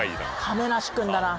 亀梨君だな。